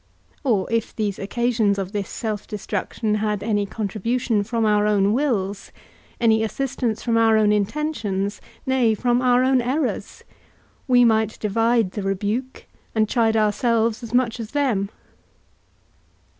Or if these occasions of this self destruction had any contribution from our own wills, any assistance from our own intentions, nay, from our own errors, we might divide the rebuke, and chide ourselves as much as them.